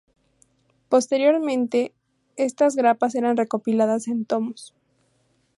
Posteriormente, estas grapas eran recopiladas en tomos.